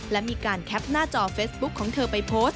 และมีการแคปหน้าจอเฟซบุ๊คของเธอไปโพสต์